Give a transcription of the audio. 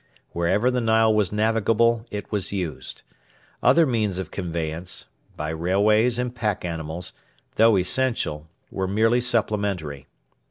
Wherever the Nile was navigable, it was used. Other means of conveyance by railways and pack animals though essential, were merely supplementary.